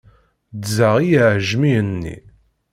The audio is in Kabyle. Ddzeɣ iɛejmiyen-nni.